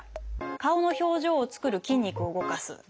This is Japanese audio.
「顔の表情を作る筋肉を動かす」。